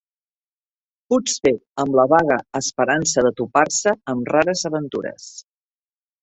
Potser amb la vaga esperança de topar-se amb rares aventures